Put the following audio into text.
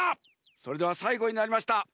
それではさいごになりました。